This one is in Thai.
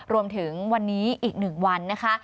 รวมถึงวันนี้อีก๑วันนะคะ